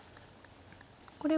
これは。